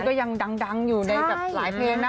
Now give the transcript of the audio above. ก็ยังดังอยู่ในแบบหลายเพลงนะ